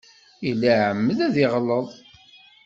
Yella iεemmed ad yeɣleḍ.